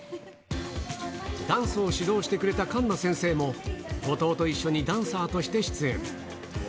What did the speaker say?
ダンスを指導してくれたカンナ先生も、後藤と一緒にダンサーとして出演。